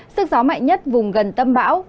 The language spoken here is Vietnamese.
sức gió mạnh nhất vùng gần tâm bão